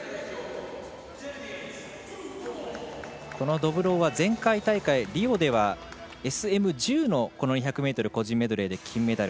ドブロウは前回大会、リオではＳＭ１０の２００ｍ個人メドレーで金メダル。